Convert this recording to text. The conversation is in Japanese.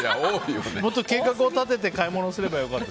もっと計画を立てて買い物をすればよかった。